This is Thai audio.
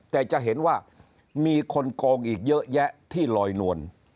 แต่จะเห็นว่ามีคนโกงอีกเยอะแยะที่ลอยนวล